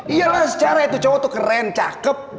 iyalah sejarah itu cowok tuh keren cakep